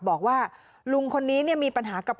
บอกว่าลุงคนนี้มีปัญหากับ